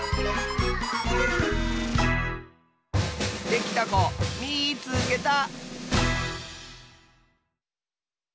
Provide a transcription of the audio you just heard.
できたこみいつけた！